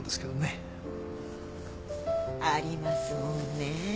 ありますもんね。